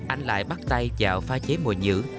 anh lại bắt tay vào pha chế mồi nhữ